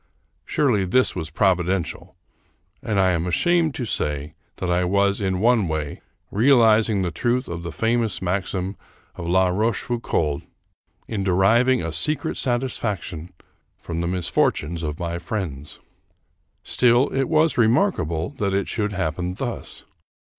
Surely this was providential, and I am ashamed to say that I was, in one way, realizing the truth of the famous maxim of La Rochefoucauld in deriving a secret satisfaction from the misfortunes of my friends. Still, it was remarkable that it should happen thus.